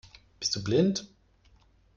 Bist du blind?